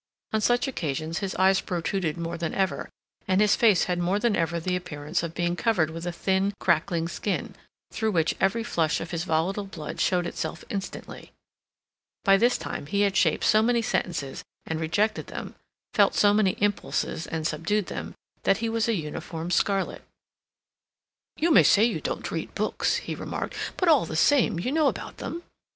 On such occasions his eyes protruded more than ever, and his face had more than ever the appearance of being covered with a thin crackling skin, through which every flush of his volatile blood showed itself instantly. By this time he had shaped so many sentences and rejected them, felt so many impulses and subdued them, that he was a uniform scarlet. "You may say you don't read books," he remarked, "but, all the same, you know about them.